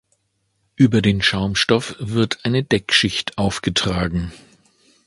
Über den Schaumstoff wird eine Deckschicht aufgetragen.